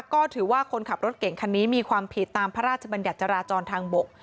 ก็ถือว่าคนขับรถเก่งคันนี้มีความผิดตามพระราชบัญญัติจราจรทางบก